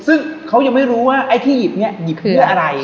ซึ่งเขายังไม่รู้ว่าไอ้ที่หยิบเนี่ยหยิบเพื่ออะไร